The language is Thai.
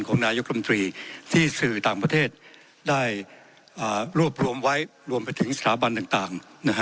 นายกรมตรีที่สื่อต่างประเทศได้รวบรวมไว้รวมไปถึงสถาบันต่าง